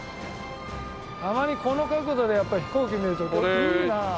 あまりこの角度でやっぱり飛行機見るといいな。